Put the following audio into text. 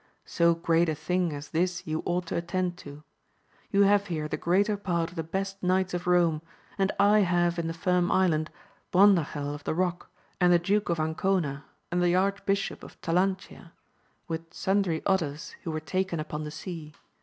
So great a thing as this you ought to attend to. You have here the greater part of the best knights of Eome, and I have in the Firm Island, Brondajel of the Rock, and the Duke of Ancona, and the Archbishop of Talancia, with sundry others who wore taken upon the sea.